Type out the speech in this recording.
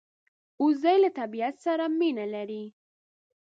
وزې له طبیعت سره مینه لري